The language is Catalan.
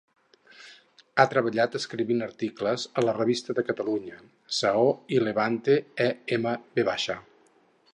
Ha treballat escrivint articles a la Revista de Catalunya, Saó i Levante-EMV.